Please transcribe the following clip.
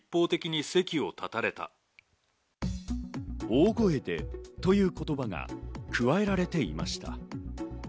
「大声で」という言葉が加えられていました。